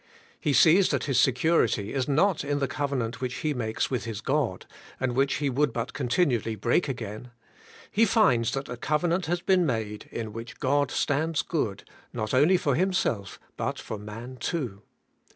He sees that his security is not in the covenant which he makes with his God, and which he would but continually break again. He jBnds that a covenant has been made, in which God stands good, not only for Himself, but for man too.